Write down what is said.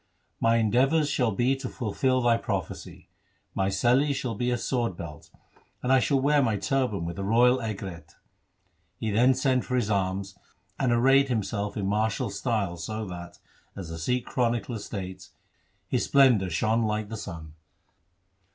' My endeavours shall be to fulfil thy prophecy. My seli shall be a sword belt, and I shall wear my turban with a royal aigrette.' He then sent for his arms, and arrayed himself in martial style so that, as the Sikh chronicler states, his splendour shone like the sun.